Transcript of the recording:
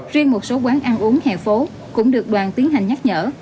riêng một số quán ăn uống hè phố cũng được đoàn tiến hành nhắc nhở